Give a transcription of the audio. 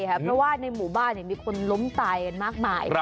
เพราะว่าในหมู่บ้านมีคนล้มตายกันมากมาย